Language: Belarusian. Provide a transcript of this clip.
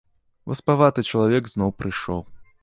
Васпаваты чалавек зноў прыйшоў.